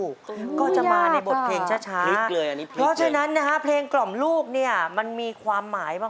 เขาจะร้องเป็นสิบห้ายาว